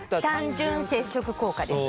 単純接触効果です。